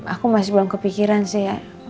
aku masih belum kepikiran sih ya